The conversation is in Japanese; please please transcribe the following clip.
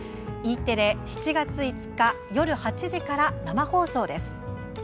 Ｅテレ、７月５日、夜８時から生放送です。